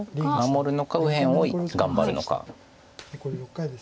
守るのか右辺を頑張るのか。